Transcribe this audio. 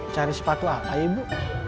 cari sepatu apa ibu